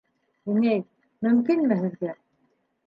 Инәй, мөмкинме һеҙгә?